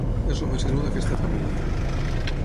És el més greu d'aquesta família.